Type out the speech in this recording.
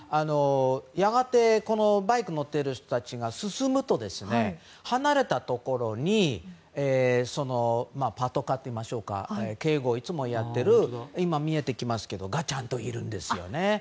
やがてバイクに乗ってる人たちが進むと離れたところにパトカーといいましょうか警護をいつもやっている今、見えてきますけれどちゃんといるんですよね。